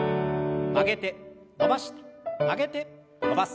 曲げて伸ばして曲げて伸ばす。